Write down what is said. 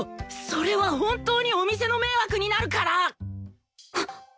それは本当にお店の迷惑になるから！